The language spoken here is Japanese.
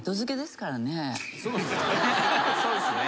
そうですよね。